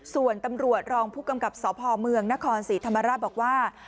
ส่วนตำรวจรองผู้กำกับสพเมืองนครศรีธรรมราชบอกว่า